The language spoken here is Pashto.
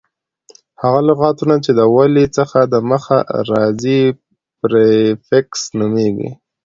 هغه لغتونه، چي د ولي څخه دمخه راځي پریفکس نومیږي.